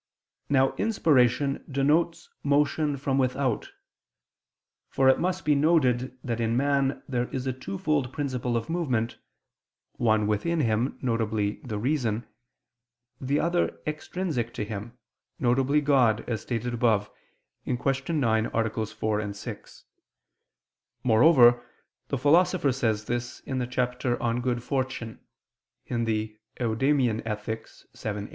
Now inspiration denotes motion from without. For it must be noted that in man there is a twofold principle of movement, one within him, viz. the reason; the other extrinsic to him, viz. God, as stated above (Q. 9, AA. 4, 6): moreover the Philosopher says this in the chapter On Good Fortune (Ethic. Eudem.